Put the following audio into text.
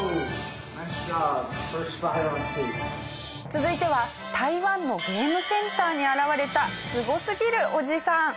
続いては台湾のゲームセンターに現れたすごすぎるおじさん。